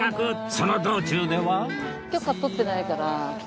その道中では